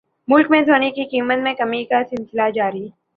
ملک میں سونے کی قیمت میں کمی کا سلسلہ جاری